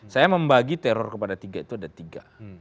saya membagi teror kepada tiga itu ada tiga